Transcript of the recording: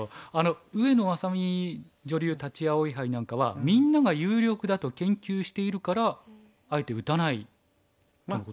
上野愛咲美女流立葵杯なんかはみんなが有力だと研究しているからあえて打たないとのこと。